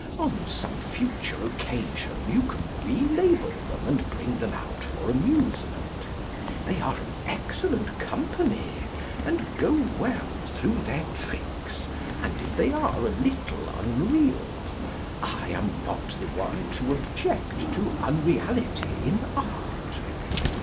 On some future occasion you can re label them and bring them out for amusement. They are an excellent company, and go well through their tricks, and if they are a little unreal I am not the one to object to unreality in art.